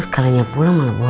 sekalinya pulang malah bawa lagi